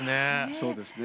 そうですね。